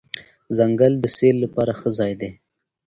ځنګل د سیل لپاره ښه ځای دی.